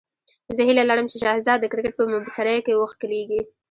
زه هیله لرم چې شهزاد د کرکټ په مبصرۍ کې وښکلېږي.